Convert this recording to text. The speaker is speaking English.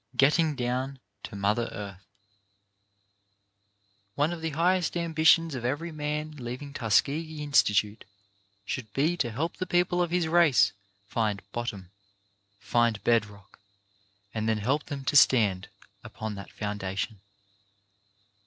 GETTING DOWN TO MOTHER EARTH One of the highest ambitions of every man leaving Tuskegee Institute should be to help the people of his race find bottom — find bed rock — and then help them to stand upon that foundation.